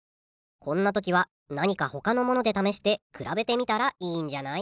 こんな時は何かほかのもので試して比べてみたらいいんじゃない？